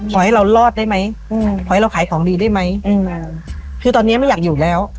ขอให้เรารอดได้ไหมอืมขอให้เราขายของดีได้ไหมอืมคือตอนเนี้ยไม่อยากอยู่แล้ว